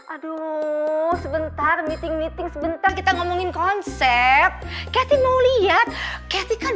aduh sebentar meeting meeting sebentar kita ngomongin konsep keti mau lihat catty kan